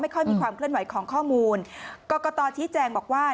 ค่อยมีความเคลื่อนไหวของข้อมูลกรกตชี้แจงบอกว่า